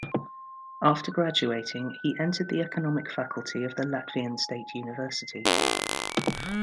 After graduating, he entered the economic faculty of the Latvian State University.